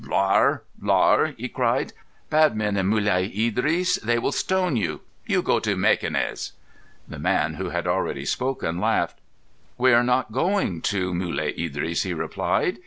"Lar, lar!" he cried. "Bad men in Mulai Idris. They will stone you. You go to Mequinez." The man who had already spoken laughed. "We are not going to Mulai Idris," he replied.